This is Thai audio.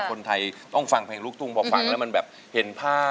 คนไทยต้องฟังเพลงลูกทุ่งพอฟังแล้วมันแบบเห็นภาพ